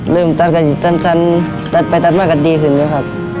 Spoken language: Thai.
เริ่มตัดกันจริงตัดไปตัดมากกันดีขึ้นเลยครับ